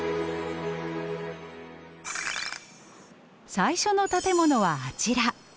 最初の建物はあちら。